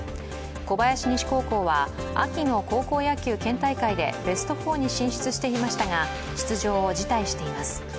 小林西高校は秋の高校野球県大会でベスト４に進出していましたが、出場を辞退しています。